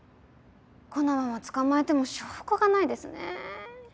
このまま捕まえても証拠がないですね。